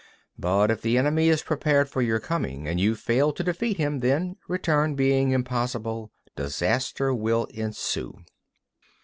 But if the enemy is prepared for your coming, and you fail to defeat him, then, return being impossible, disaster will ensue.